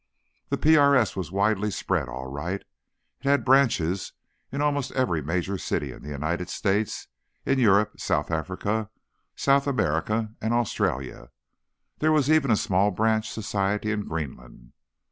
The PRS was widely spread, all right. It had branches in almost every major city in the United States, in Europe, South Africa, South America and Australia. There was even a small branch society in Greenland.